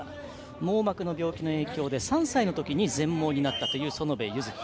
網膜の病気の影響で３歳のときに全盲になったという園部優月。